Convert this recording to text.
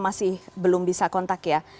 masih belum bisa kontak